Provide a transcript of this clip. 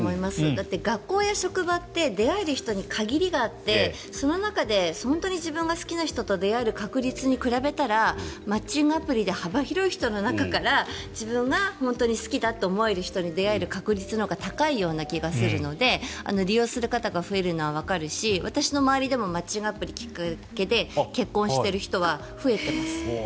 だって、学校や職場って出会える人に限りがあってその中で本当に自分が好きな人と出会える確立に比べたらマッチングアプリで幅広い人の中から自分が本当に好きだって思える人に出会える確率のほうが高いと思うので利用する方が増えるのはわかるし私の周りでもマッチングアプリがきっかけで結婚してる人は増えてます。